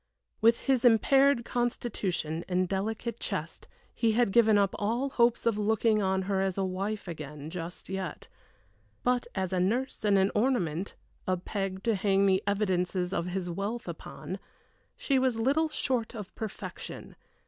With his impaired constitution and delicate chest he had given up all hopes of looking on her as a wife again, just yet; but, as a nurse and an ornament a peg to hang the evidences of his wealth upon she was little short of perfection.